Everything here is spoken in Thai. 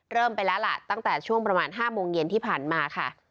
เริ่มไปแล้วล่ะตั้งแต่ช่วงประมาณ๕โมงเย็นที่ผ่านมาค่ะ